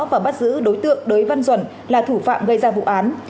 và bắt giữ đối tượng đới văn duẩn là thủ phạm gây ra vụ án